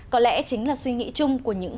có lẽ chính là suy nghĩ chung của những